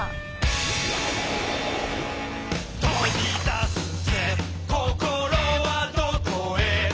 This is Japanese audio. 「飛び出すぜ心はどこへ」